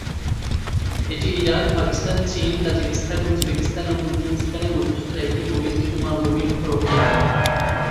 এটি ইরান, পাকিস্তান, চীন, Tajikistan, Uzbekistan, ও তুর্কমেনিস্তানের মধ্যস্থলে একটি ভূ-বেষ্টিত মালভূমির উপর অবস্থিত।